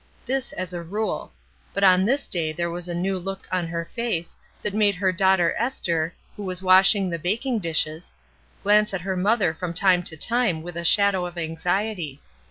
This, as a rule; but on this day there was a new look on her face, that made her daughter Esther, who was washing the baking dishes, glance at her mother from time to time with a shadow of anxiety.